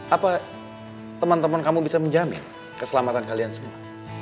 apa temen temen kamu bisa menjamin keselamatan kalian semua